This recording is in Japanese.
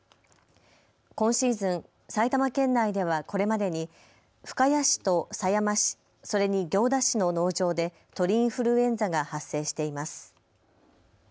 今シーズン、埼玉県内ではこれまでに深谷市と狭山市、それに行田市の農場で鳥インフルエンザが発生しています。